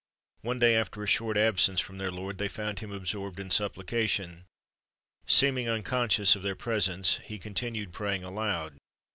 One day after a short absence from their Lord, they found Him absorbed in supplication. Seeming unconscious of their presence, He continued praying aloud.